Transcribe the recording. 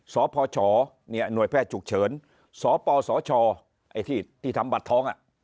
สพชเนี่ยหน่วยแพทย์จุกเฉินสพชไอ้ที่ทำบัตรท้อง